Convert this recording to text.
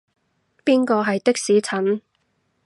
邊個係的士陳？